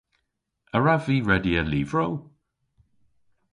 A wrav vy redya lyvrow?